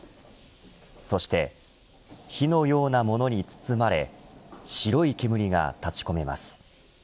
そして火のようなものに包まれ白い煙が立ち込めます。